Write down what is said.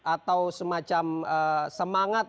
atau semacam semangat